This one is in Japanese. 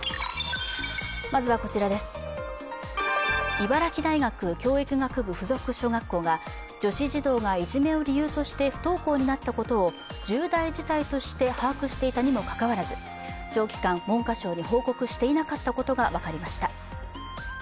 茨城大学教育学部付属小学校が女子児童がいじめを理由として不登校になったことを重大事態として把握していたにもかかわらず長期間、文科省に報告していなかったことが分かりました。